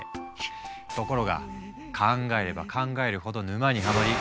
ところが考えれば考えるほど沼にはまり